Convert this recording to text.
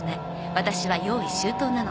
ワタシは用意周到なの